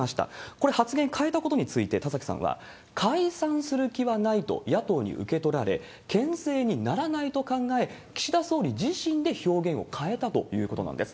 これ、発言変えたことについて、田崎さんは、解散する気はないと野党に受け取られ、けん制にならないと考え、岸田総理自身で表現を変えたということなんです。